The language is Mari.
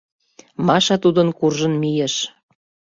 — Маша тудын куржын мийыш.